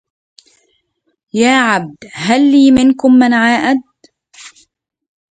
يا عبد هل لي منكم من عائد